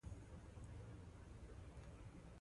د محصل ژوند د نوښت او فکر زده کړه ده.